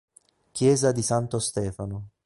Chiesa di Santo Stefano